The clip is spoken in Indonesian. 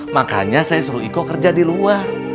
makanya saya suruh iko kerja di luar